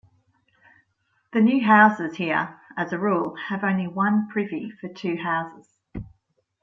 The new houses, here, as a rule, have one privy for two houses.